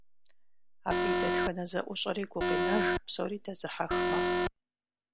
Абы и дэтхэнэ зэӏущӏэри гукъинэж, псори дэзыхьэх мэхъу.